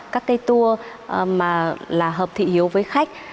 các cây tour mà là hợp thị hiếu với khách